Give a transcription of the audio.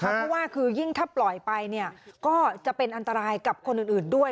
เพราะว่าคือยิ่งถ้าปล่อยไปก็จะเป็นอันตรายกับคนอื่นด้วย